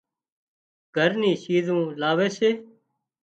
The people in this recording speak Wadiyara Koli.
گھر ني شيزون لاوي سي